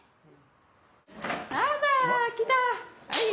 あら来た。